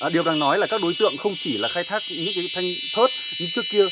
điều đang nói là các đối tượng không chỉ là khai thác những cái thanh thớt như trước kia